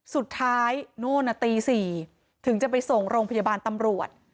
สุดท้ายนู่นน่ะตี๔ถึงจะไปส่งโรงพยาบาลตำรวจ